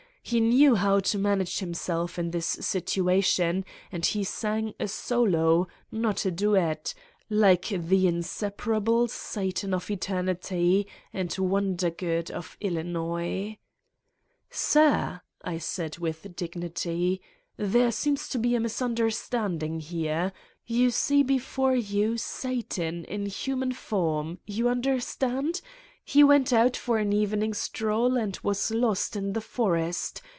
He knew how to manage himself in this situation and he sang a solo, not a duet, like the inseparable Satan of Eternity and Wondergood of Illinois !*' Sir !'' I said with dignity :'' There seems to be a sad misunderstanding here. You see before you Satan in human form ... you understand? He went out for an evening stroll and was lost in the forest